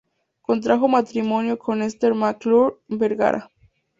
Contrajo matrimonio con Ester Mac-Clure Vergara.